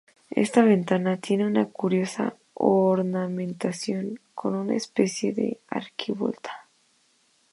Esta ventana tiene una curiosa ornamentación, con una especie de arquivolta.